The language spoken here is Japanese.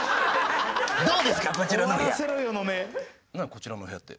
「こちらのお部屋」って。